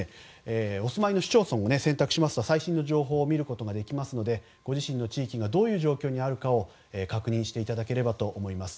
お住まいの市町村を選択しますと最新の情報を見ることができますのでご自身の地域がどういう状況にあるかを確認していただければと思います。